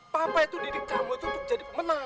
papa itu didik kamu itu untuk jadi pemenang